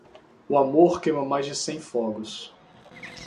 O amor queima mais de cem fogos.